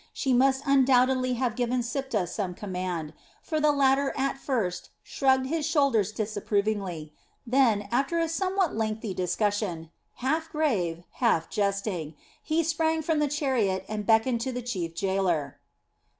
She must undoubtedly have given Siptah some command, for the latter at first shrugged his shoulders disapprovingly then, after a somewhat lengthy discussion, half grave, half jesting, he sprang from the chariot and beckoned to the chief gaoler.